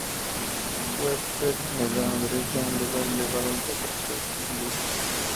Webster le da derecho a un lugar elevado entre los poetas ingleses.